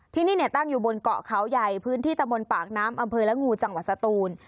ที่นี่ตั้งอยู่บนเกาะเขาใหญ่พื้นที่ตะมนต์ปากน้ำอำเภอละงูจังหวัดสตูน